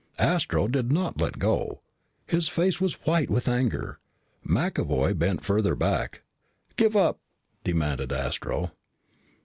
Astro did not let go. His face was white with anger. McAvoy bent further back. "Give up," demanded Astro.